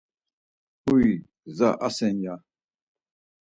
Huy gza asen ya!